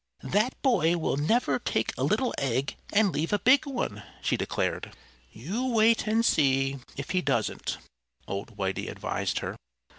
"That boy will never take a little egg and leave a big one," she declared. "You wait and see if he doesn't," old Whitey advised her.